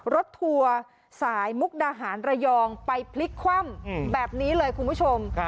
รถทัวร์สายมุกดาหารระยองไปพลิกคว่ำแบบนี้เลยคุณผู้ชม